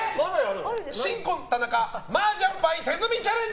新婚田中マージャン牌手積みチャレンジ！